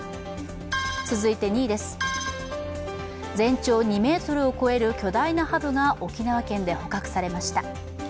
続いて２位です、全長２ｍを超える巨大なハブが沖縄県で捕獲されました。